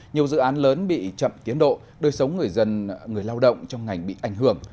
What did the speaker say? nhiều dự án lớn bị chậm tiến độ đôi sống người lao động trong ngành bị ảnh hưởng